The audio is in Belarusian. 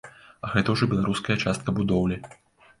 А гэта ўжо беларуская частка будоўлі.